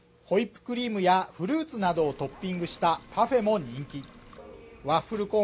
ホイップクリームやフルーツなどをトッピングしたパフェも人気ワッフル